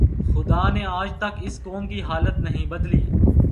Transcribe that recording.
خدا نے آج تک اس قوم کی حالت نہیں بدلی